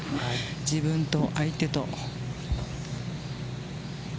自分と相手と。